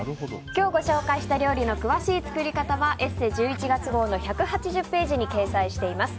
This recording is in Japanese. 今日ご紹介した料理の詳しい作り方は「ＥＳＳＥ」１１月号の１８０ページに掲載しています。